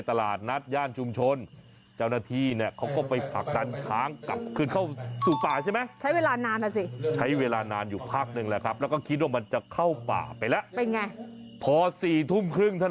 แต่ตอน๓ทุ่มผมก็เข้าใจผิดว่ามูลรักษณ์ตี๓วันนี้ผมก็ไปเจออะไรแบบนี้ตกใจ